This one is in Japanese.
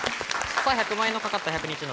さぁ、１００万円のかかった１００日謎。